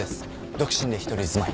独身で一人住まい。